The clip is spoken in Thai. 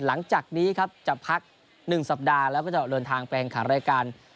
หลังจากนี้ครับจะพัก๑สัปดาห์แล้วก็จะเดินทางไปแข่งขันรายการ